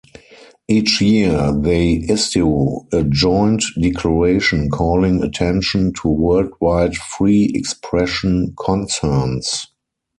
Each year, they issue a joint declaration calling attention to worldwide free expression concerns.